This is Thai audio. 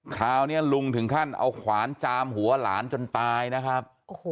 คราวนี้ลุงถึงขั้นเอาขวานจามหัวหลานจนตายนะครับ